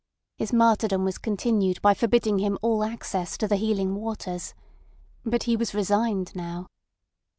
His martyrdom was continued by forbidding him all access to the healing waters. But he was resigned now.